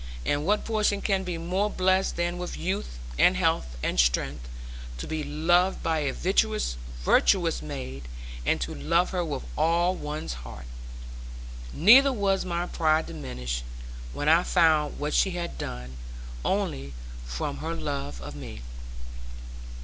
And what portion can be more blessed than with youth, and health, and strength, to be loved by a virtuous maid, and to love her with all one's heart? Neither was my pride diminished, when I found what she had done, only from her love of me.